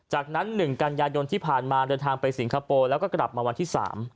จากนั้น๑กันยายนที่ผ่านมาเดินทางไปสิงคโปร์แล้วก็กลับมาวันที่๓